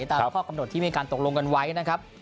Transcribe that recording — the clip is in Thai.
ตามข้อกำหนดที่มีการตกลงกันไว้นะครับ